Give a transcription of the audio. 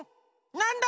なんだ？